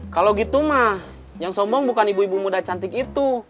kalau gitu mah yang sombong bukan ibu ibu muda cantik itu